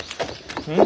うん？